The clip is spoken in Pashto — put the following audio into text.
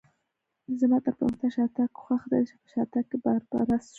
زما تر پرمختګ شاتګ خوښ دی، په شاتګ کې باربرا څښو.